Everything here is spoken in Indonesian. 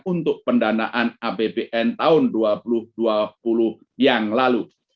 untuk pendanaan apbn tahun dua ribu dua puluh yang lalu